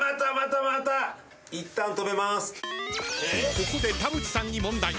［ここで田渕さんに問題］